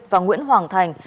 và nguyễn hoàng thành